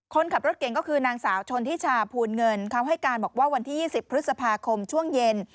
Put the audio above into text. คนขับรถเก่งก็คือนางสาวชนทิชาภูลเงินเขาให้การบอกว่าวันที่๒๐พฤษภาคมช่วงเย็น